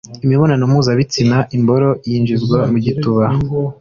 imibonano mpuzabitsina imboro yinjizwa mu gituba